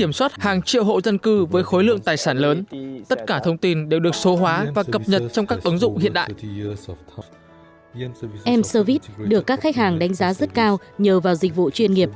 m service được các khách hàng đánh giá rất cao nhờ vào dịch vụ chuyên nghiệp